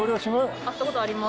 会ったことあります。